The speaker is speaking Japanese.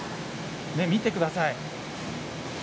見てください。